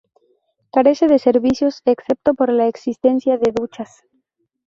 Carece de servicios excepto por la existencia de duchas.